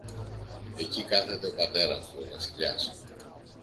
Εκεί κάθεται ο πατέρας του, ο Βασιλιάς.